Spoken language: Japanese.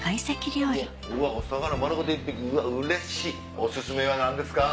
おすすめは何ですか？